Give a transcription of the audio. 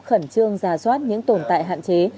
khẩn trương giả soát những tồn tại hạn chế